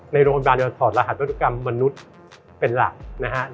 ในโรงพยาบาลที่เราถอดรหัสพันธุกรรมมนุษย์เป็นหลักนะครับ